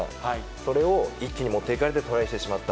それを一気に持っていかれてトライしてしまった。